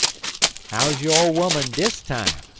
"'How's yo' ole 'oman dis time?'